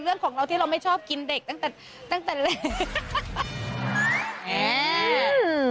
เรื่องของเราที่เราไม่ชอบกินเด็กตั้งแต่ตั้งแต่เล็ก